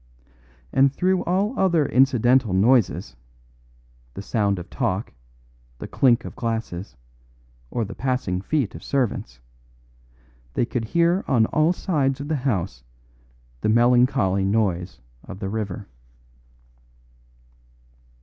And through all other incidental noises, the sound of talk, the clink of glasses, or the passing feet of servants, they could hear on all sides of the house the melancholy noise of the river.